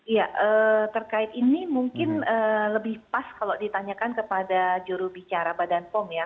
ya terkait ini mungkin lebih pas kalau ditanyakan kepada jurubicara badan pom ya